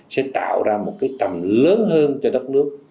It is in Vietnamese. sẽ tạo ra một cái tầm lớn hơn cho đất nước